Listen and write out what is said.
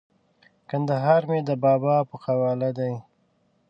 کندهار مې د بابا په قواله دی!